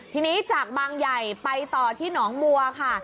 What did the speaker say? ทีนี้จากบางใหญ่ไปต่อที่หนองบัวค่ะ